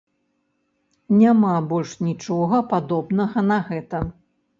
Няма больш нічога, падобнага на гэта.